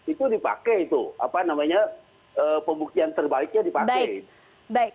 itu dipakai pembuktian terbaliknya dipakai